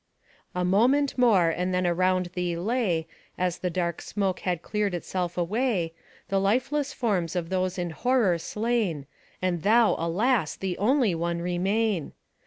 A moment more, and then around thee lay, As the dark smoke had cleared itself away, The lifeless forms of those in horror slain, And thou, alas ! the only one remain.